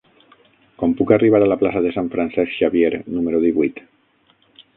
Com puc arribar a la plaça de Sant Francesc Xavier número divuit?